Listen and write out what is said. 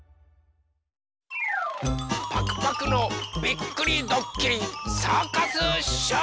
パクパクのびっくりどっきりサーカスショー！